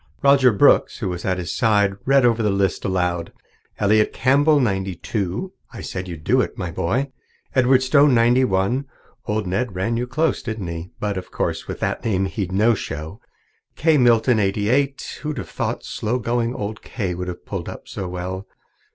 Roger Brooks, who was at his side, read over the list aloud: "'Elliott H. Campbell, ninety two.' I said you'd do it, my boy. 'Edward Stone, ninety one' old Ned ran you close, didn't he? But of course with that name he'd no show. 'Kay Milton, eighty eight.' Who'd have thought slow going old Kay would have pulled up so well?